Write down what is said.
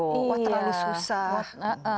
wah terlalu susah